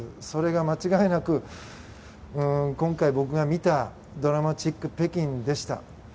それが間違いなく今回僕が見た銅鑼マチック北京でした。